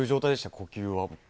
呼吸は。